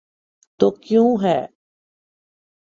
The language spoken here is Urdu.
تو کیوں ہے؟